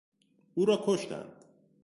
او را کشتند.